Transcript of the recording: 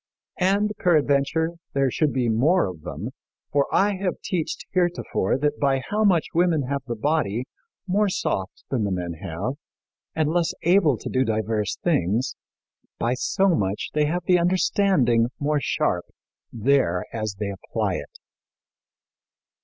And peradventure, there should be more of them, for I have teached heretofore that by how much women have the body more soft than the men have, and less able to do divers things, by so much they have the understanding more sharp there as they apply it."